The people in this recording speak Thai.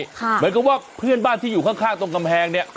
เหมือนกับว่าเพื่อนบ้านที่อยู่ข้างตรงกำแพงเนี่ย